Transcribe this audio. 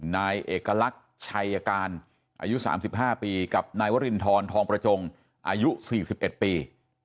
นายเอกลักษณ์ชัยการอายุ๓๕ปีกับนายวรินทรทองประจงอายุ๔๑ปี